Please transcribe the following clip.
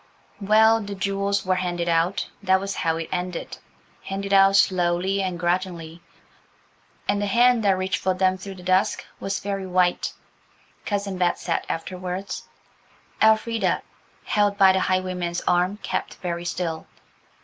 Well, the jewels were handed out–that was how it ended–handed out slowly and grudgingly, and the hand that reached for them through the dusk was very white, Cousin Bet said afterwards. Elfrida, held by the highwayman's arm, kept very still.